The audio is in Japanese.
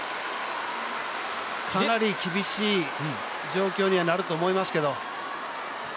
かなり厳しい状況にはなると思いますけど。